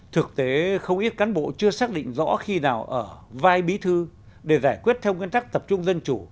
thực tế không ít cán bộ chưa xác định rõ khi nào ở vai bí thư để giải quyết theo nguyên tắc tập trung dân chủ